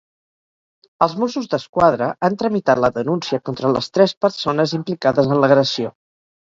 Els Mossos d'Esquadra han tramitat la denúncia contra les tres persones implicades en l'agressió.